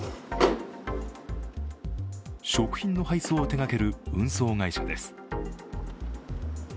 食品の配送を手がける運送会社です。